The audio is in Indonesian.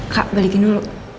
kak balikin dulu